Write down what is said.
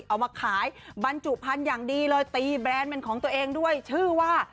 เอามาขายบรรจุพันธุ์อย่างดีเลยตีแบรนด์เป็นของตัวเองด้วยชื่อว่า